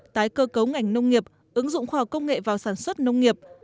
tái cơ cấu ngành nông nghiệp ứng dụng khoa học công nghệ vào sản xuất nông nghiệp